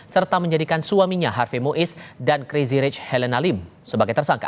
serta menjadikan suaminya harvey muiz dan crazy rich helenalim sebagai tersangka